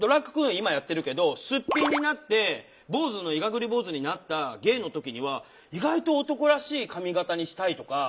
今やってるけどすっぴんになって坊主のいがぐり坊主になったゲイの時には意外と男らしい髪形にしたいとか。